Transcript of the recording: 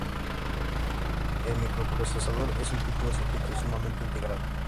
El microprocesador es un tipo de circuito sumamente integrado.